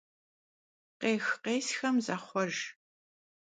Khêx - khêsxem zaxhuejj.